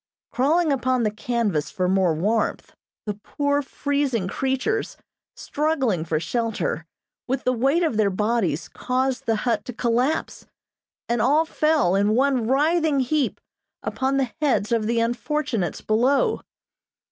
Crawling upon the canvas for more warmth, the poor, freezing creatures, struggling for shelter, with the weight of their bodies caused the hut to collapse, and all fell, in one writhing heap, upon the heads of the unfortunates below.